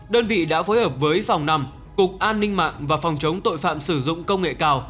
đơn vị đã phối hợp với phòng năm cục an ninh mạng và phòng chống tội phạm sử dụng công nghệ cao